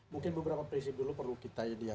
mungkin beberapa prinsip dulu perlu kita iya